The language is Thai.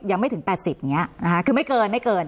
ยังไม่ถึง๘๐อย่างนี้คือไม่เกิน